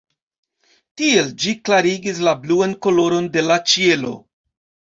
Tiel ĝi klarigis la bluan koloron de la ĉielo.